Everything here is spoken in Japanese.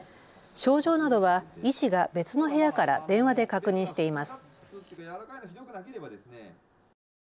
症状などは医師が別の部屋から電話で確認しています。